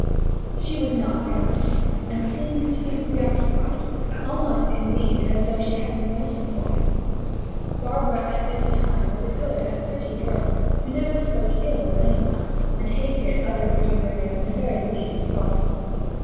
She was not dancing, and seemed to be preoccupied almost, indeed, as though she had been waiting for him. Barbara at this time was a good and pretty girl, who never spoke ill of any one, and hated other pretty women the very least possible.